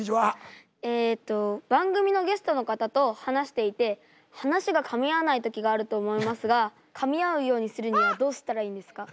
えと番組のゲストの方と話していて話がかみ合わない時があると思いますがかみ合うようにするにはどうしたらいいんですか？